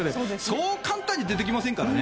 そう簡単に出てきませんからね。